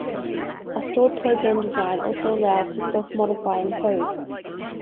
A stored-program design also allows for self-modifying code.